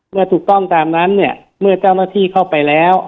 เมื่อถูกต้องตามนั้นเนี่ยเมื่อเจ้าหน้าที่เข้าไปแล้ว